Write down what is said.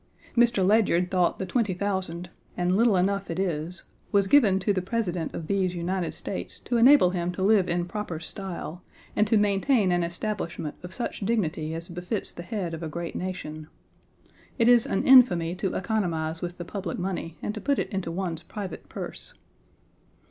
Mr. Ledyard thought the twenty thousand (and little enough it is) was given to the President of these United States to enable him to live in proper style, and to maintain an establishment of such dignity as befits the head of a great nation. It is an infamy to economize with the public money and to put it into one's private purse.